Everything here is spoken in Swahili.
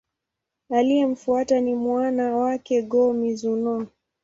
Aliyemfuata ni mwana wake, Go-Mizunoo.